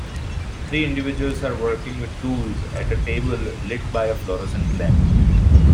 Three individuals are working with tools at a table lit by a florescent lamp.